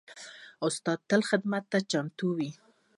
استاد تل خدمت ته چمتو وي.